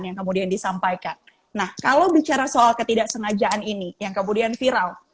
yang kemudian disampaikan nah kalau bicara soal ketidaksengajaan ini yang kemudian viral